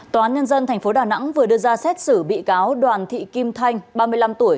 tòa án nhân dân tp đà nẵng vừa đưa ra xét xử bị cáo đoàn thị kim thanh ba mươi năm tuổi